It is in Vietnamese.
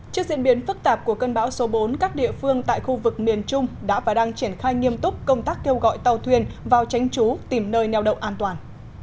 trước diễn biến phức tạp của cơn bão số bốn các địa phương tại khu vực miền trung đã và đang triển khai nghiêm túc công tác kêu gọi tàu thuyền vào tránh trú tìm nơi neo đậu an toàn